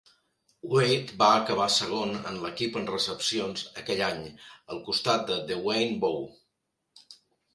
Wade va acabar segon en l'equip en recepcions aquell any al costat de Dewayne Bowe.